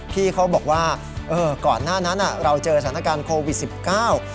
พี่เขาบอกว่าเออก่อนหน้านั้นอ่ะเราเจอสถานการณ์โควิดสิบเก้า